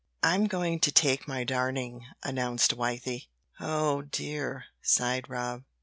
"I'm going to take my darning," announced Wythie. "Oh, dear," sighed Rob.